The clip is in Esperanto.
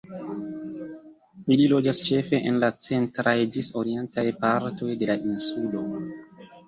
Ili loĝas ĉefe en la centraj ĝis orientaj partoj de la insulo.